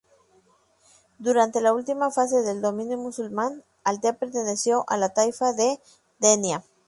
Durante la última fase del dominio musulmán, Altea perteneció a la taifa de Denia.